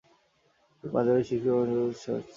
তিনি পাঞ্জাবের শিখ শিক্ষা কমিটির প্রতিষ্ঠাতা সদস্য ছিলেন।